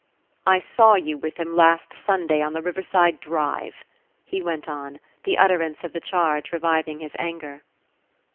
"I saw you with him last Sunday on the Riverside Drive," he went on, the utterance of the charge reviving his anger.